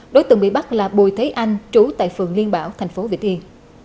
đối tượng bị bắt là bùi thế anh trú tại phường liên bảo thành phố việt yên